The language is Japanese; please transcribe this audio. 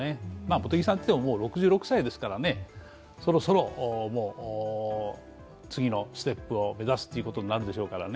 茂木さん、もう６６歳ですからそろそろ次のステップを目指すことになるでしょうからね。